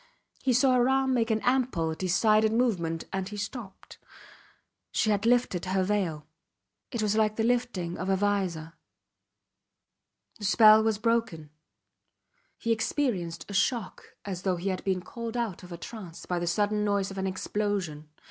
He saw her arm make an ample, decided movement and he stopped. She had lifted her veil. It was like the lifting of a vizor. The spell was broken. He experienced a shock as though he had been called out of a trance by the sudden noise of an explosion.